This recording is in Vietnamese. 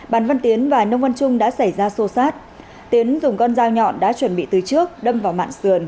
bàn văn tiến và nông văn trung đã xảy ra xô xát tiến dùng con dao nhọn đã chuẩn bị từ trước đâm vào mạng sườn